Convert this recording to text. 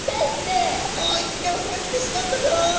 もう一匹オスが来てしまったぞ。